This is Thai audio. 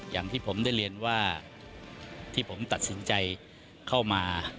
อย่างที่ผมได้เรียนว่าที่ผมตัดสินใจเข้ามา